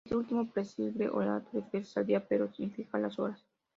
Este último prescribe orar tres veces al día, pero sin fijar las horas.